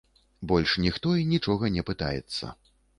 І больш ніхто і нічога не пытаецца.